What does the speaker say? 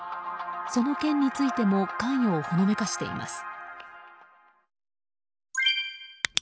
その件についても関与をほのめかしています。